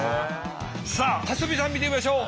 さあ蓮見さん見てみましょう。